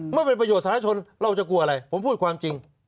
เมื่อเป็นประโยชนสถานชนเราจะกลัวอะไรผมพูดความจริง